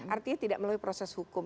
artinya tidak melalui proses hukum